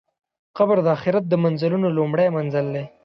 قبر د آخرت د منزلونو لومړی منزل دی.